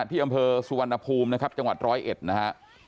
ที่อำเภอสุวรรณภูมินะครับจังหวัดร้อยเอ็ดนะฮะ